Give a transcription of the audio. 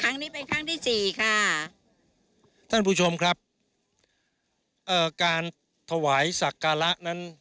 ครั้งนี้เป็นครั้งที่สี่ค่ะท่านผู้ชมครับเอ่อการถวายสักการะนั้น